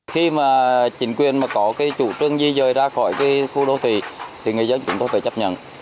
khi mà chính quyền có chủ trương gì rời ra khỏi khu đô thị thì người dân chúng tôi phải chấp nhận